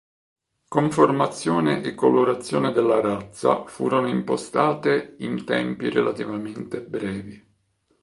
Conformazione e colorazione della razza furono impostate in tempi relativamente brevi.